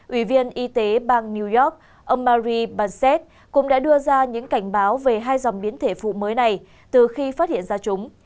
ủy viên y tế bang new york ông mari barce cũng đã đưa ra những cảnh báo về hai dòng biến thể phụ mới này từ khi phát hiện ra chúng